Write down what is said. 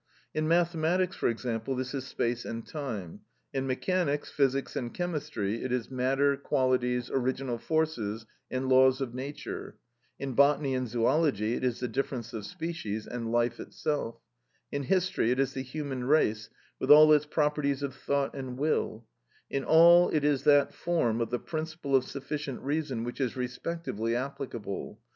In mathematics, for example, this is space and time; in mechanics, physics, and chemistry it is matter, qualities, original forces and laws of nature; in botany and zoology it is the difference of species, and life itself; in history it is the human race with all its properties of thought and will: in all it is that form of the principle of sufficient reason which is respectively applicable.